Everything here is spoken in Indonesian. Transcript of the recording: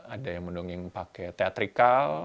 ada yang mendongeng pakai teatrikal